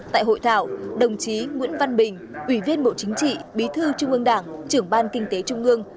tại hội thảo đồng chí nguyễn văn bình ủy viên bộ chính trị bí thư trung ương đảng trưởng ban kinh tế trung ương